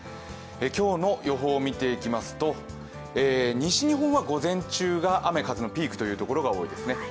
今日の予報を見ていきますと、西日本は午前中が雨・風のピークというところが多いですね。